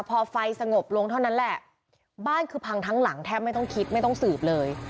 พอไฟสงบลงเท่านั้นแหละบ้านคือพังทั้งหลังแทบไม่ต้องคิดไม่ต้องสืบเลย